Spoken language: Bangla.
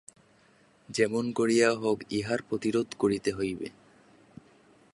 যেমন করিয়া হোক ইহার প্রতিরোধ করিতেই হইবে।